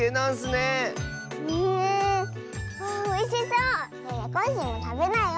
ねえコッシーもたべなよ！